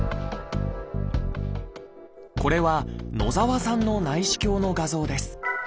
これは野澤さんの内視鏡の画像です。